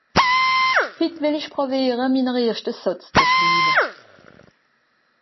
Het well i pràwiara, mina erschta Sàtz zu schriwa.